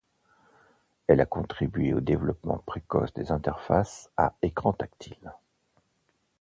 Elle a contribué au développement précoce des interfaces à écran tactile.